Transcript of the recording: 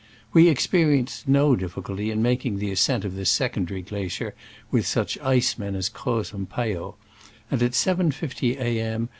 We experienced no difficulty in making the ascent of this secondary glacier with such ice men as Croz and Payot, and at 7.50 A. M.